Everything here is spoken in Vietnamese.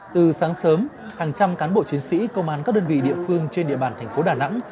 từ sáng sớm hàng trăm cán bộ chiến sĩ công an các đơn vị địa phương trên địa bàn thành phố đà nẵng